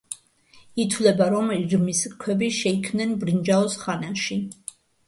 ითვლება, რომ ირმის ქვები შეიქმნენ ბრინჯაოს ხანაში.